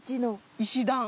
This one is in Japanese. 「石段」。